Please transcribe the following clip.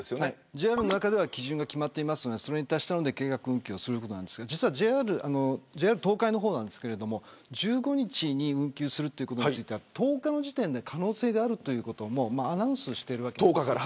ＪＲの中では基準が決まっていますのでそれに達したら計画運休しますが実はＪＲ東海は１５日に運休することについては１０日の時点で可能性があるということをアナウンスしているわけです。